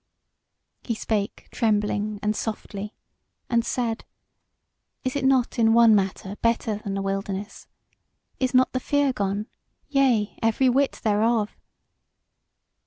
He spake trembling and softly, and said: "Is it not in one matter better than the wilderness? is not the fear gone, yea, every whit thereof?"